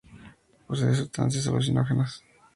Posee sustancias alucinógenas.